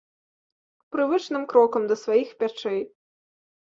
Прывычным крокам да сваіх пячэй.